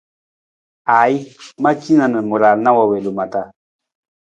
Aaji, ma cina na ma raala wi loma.